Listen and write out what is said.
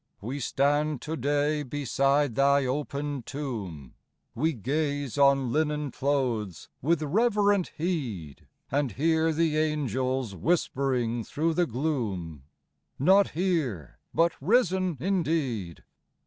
We stand to day beside Thy open tomb, We gaze on " linen clothes " with reverent heed, And hear the angels whispering thro' the gloom, —" Not here but risen indeed